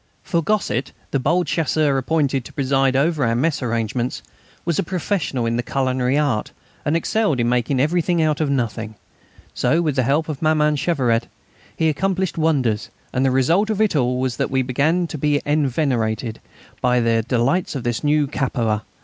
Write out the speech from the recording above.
For Gosset, the bold Chasseur appointed to preside over our mess arrangements, was a professional in the culinary art, and excelled in making everything out of nothing; so, with the help of Maman Cheveret, he accomplished wonders, and the result of it all was that we began to be enervated by the delights of this new Capua.